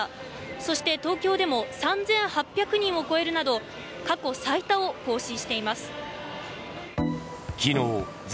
そして、東京でも３８００人を超えるなど過去最多を更新しています。